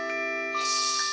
よし。